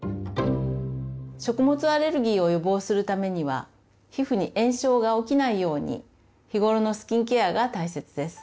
食物アレルギーを予防するためには皮膚に炎症が起きないように日頃のスキンケアが大切です。